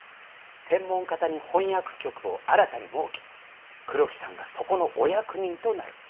天文方に翻訳局を新たに設け黒木さんがそこのお役人となる。